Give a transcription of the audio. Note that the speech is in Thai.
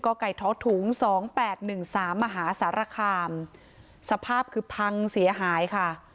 ไก่ท้อถุงสองแปดหนึ่งสามมหาสารคามสภาพคือพังเสียหายค่ะ